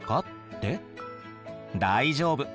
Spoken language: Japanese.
大丈夫。